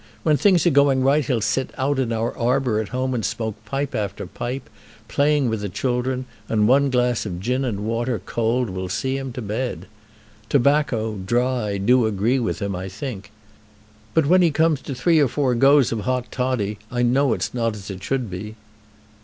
When things are going right he'll sit out in our arbour at home, and smoke pipe after pipe, playing with the children, and one glass of gin and water cold will see him to bed. Tobacco, dry, do agree with him, I think. But when he comes to three or four goes of hot toddy, I know it's not as it should be."